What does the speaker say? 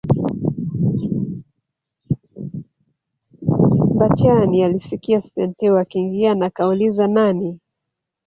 Mbatiany alisikia Santeu akiingia na akauliza nani